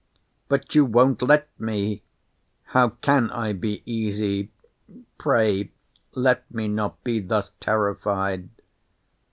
But you won't let me!—How can I be easy?—Pray, let me not be thus terrified.